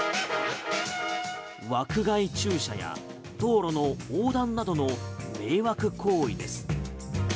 枠外駐車や道路の横断などの迷惑行為です。